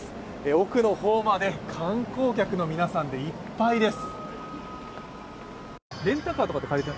奥の方まで観光客の皆さんでいっぱいです。